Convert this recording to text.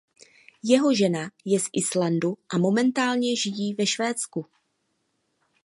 Jeho žena je z Islandu a momentálně žijí ve Švédsku.